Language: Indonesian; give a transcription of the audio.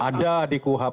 ada di kuhap ada